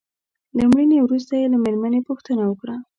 له مړینې وروسته يې له مېرمنې پوښتنه وکړه.